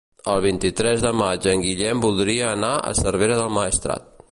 El vint-i-tres de maig en Guillem voldria anar a Cervera del Maestrat.